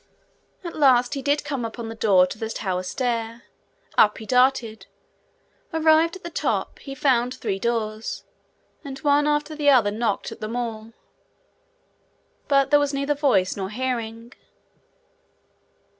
At last he did come upon the door to the tower stair. Up he darted. Arrived at the top, he found three doors, and, one after the other, knocked at them all. But there was neither voice nor hearing.